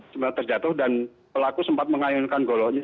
sebenarnya terjatuh dan pelaku sempat mengayunkan goloknya